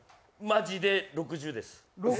マジで６０です。